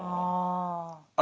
ああ。